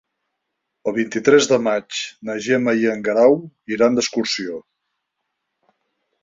El vint-i-tres de maig na Gemma i en Guerau iran d'excursió.